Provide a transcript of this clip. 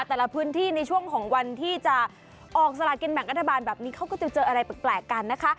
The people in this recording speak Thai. แต่ละพื้นที่ในช่วงของวันที่จะออกสลากินแบ่งรัฐบาลแบบนี้เขาก็จะเจออะไรแปลกกันนะคะ